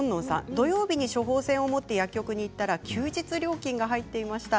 土曜日に処方箋を持って薬局に行ったら休日料金が入っていました。